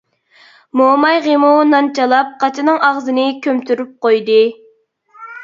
مومايغىمۇ نان چىلاپ قاچىنىڭ ئاغزىنى كۆمتۈرۈپ قويدى.